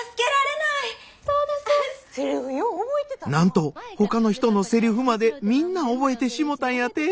なんとほかの人のセリフまでみんな覚えてしもたんやて。